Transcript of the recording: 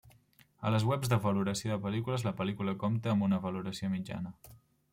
A les webs de valoració de pel·lícules, la pel·lícula compta amb una valoració mitjana.